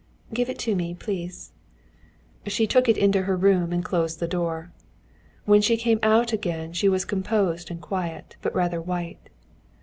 "Give it to me, please." She took it into her room and closed the door. When she came out again she was composed and quiet, but rather white.